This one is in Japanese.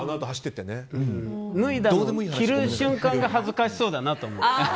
脱いで着る瞬間が恥ずかしそうだなと思って。